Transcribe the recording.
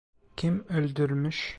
Kim öldürmüş?